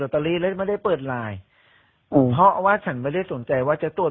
เตอรี่แล้วไม่ได้เปิดไลน์เพราะว่าฉันไม่ได้สนใจว่าจะตรวจ